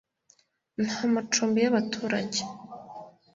nta macumbi y’abaturage